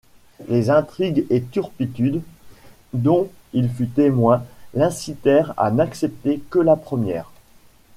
Les intrigues et turpitudes dont il fut témoin l’incitèrent à n’accepter que la première.